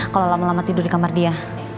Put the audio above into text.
kalau lama lama tidur di kamar dia